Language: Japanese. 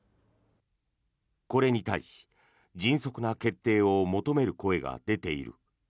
これに対し、迅速な決定を求める声が出ている。